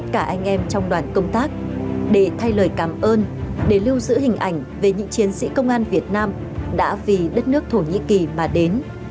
chữ ký của tất cả anh em trong đoàn công tác để thay lời cảm ơn để lưu giữ hình ảnh về những chiến sĩ công an việt nam đã vì đất nước thổ nhĩ kỳ mà đến